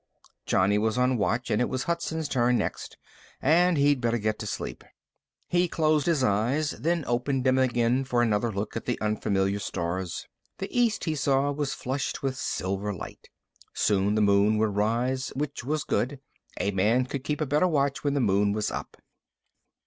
Johnny was on watch, and it was Hudson's turn next, and he'd better get to sleep. He closed his eyes, then opened them again for another look at the unfamiliar stars. The east, he saw, was flushed with silver light. Soon the Moon would rise, which was good. A man could keep a better watch when the Moon was up.